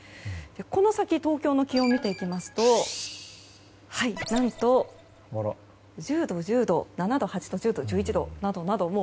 この先、東京の気温を見ていきますと何と１０度、１０度、７度、８度１０度、１１度などなど。